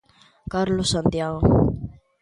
Carlos Santiago.